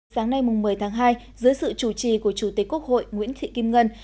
sáng nay một mươi tháng hai dưới sự chủ trì của chủ tịch quốc hội nguyễn thị kim ngân